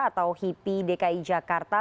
atau hipi dki jakarta